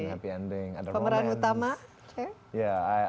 happy ending ada pemeran utama